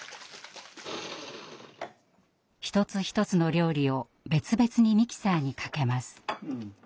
一つ一つの料理を別々にミキサーにかけます。